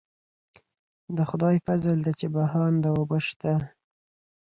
د خدای فضل دی چې بهانده اوبه شته.